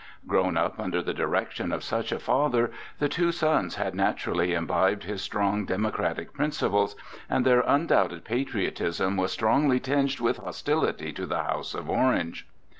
Grown up under the direction of such a father, the two sons had naturally imbibed his strong democratic principles, and their undoubted patriotism was strongly tinged with hostility to the house of Orange.